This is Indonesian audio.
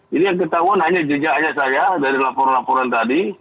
jadi yang ketahuan hanya jejaknya saja dari laporan laporan tadi